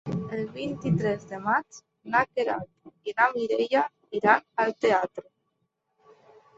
El vint-i-tres de maig na Queralt i na Mireia iran al teatre.